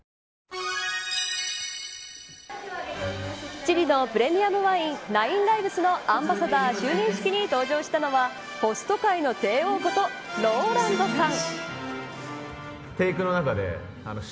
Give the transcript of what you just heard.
チリのプレミアムワイン９ＬＩＶＥＳのアンバサダー就任式に登場したのはホスト界の帝王ことＲＯＬＡＮＤさん。